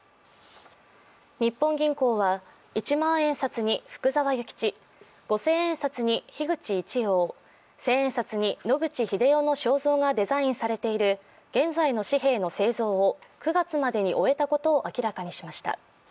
日本銀行は一万円札に福沢諭吉、五千円札に樋口一葉、千円札に野口英世の肖像がデザインされている現在の紙幣の製造を９月までに終えたことを明らかにしました。